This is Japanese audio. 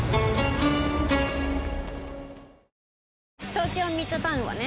東京ミッドタウンはね